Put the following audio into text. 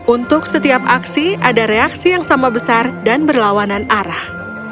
untuk setiap aksi ada reaksi yang sama besar dan berlawanan arah